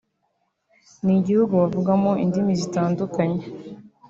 ni igihugu bavugamo indimi zitandukanye